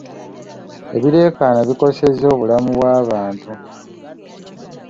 Ebireekaana bikosezza obulamu bw'abantu.